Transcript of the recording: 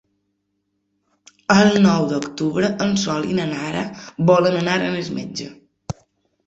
El nou d'octubre en Sol i na Lara volen anar al metge.